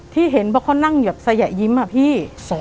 ที่เห็นบอกเขานั่งแบบสยะยิ้มอะพี่